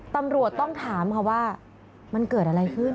ตำรวจต้องถามค่ะว่ามันเกิดอะไรขึ้น